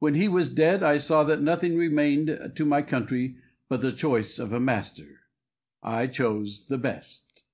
When he was dead I saw that nothing remained to my country but the choice of a master. I chose the best.